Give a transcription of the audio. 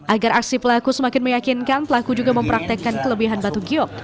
agar aksi pelaku semakin meyakinkan pelaku juga mempraktekkan kelebihan batu kiok